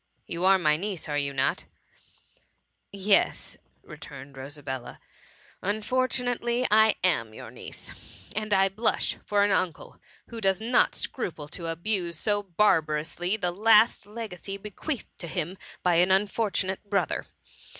" You are my niece, are you hot ?'*" Yes, returned Rosabella, " unfortunately I am your niece ; and I blush for an uncle who does not scruple to abuse so barbarously the last legacy bequeathed to him by an unfortu nate brother.